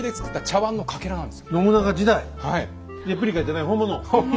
レプリカじゃない本物？